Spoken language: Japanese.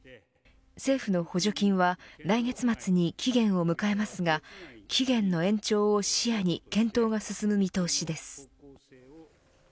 政府の補助金は来月末に期限を迎えますが期限の延長を視野に検討が進む見通しです。